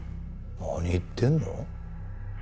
何言ってんの？